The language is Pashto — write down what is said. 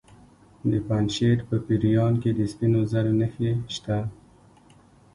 د پنجشیر په پریان کې د سپینو زرو نښې شته.